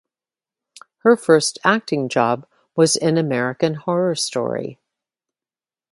Her first acting job was in "American Horror Story".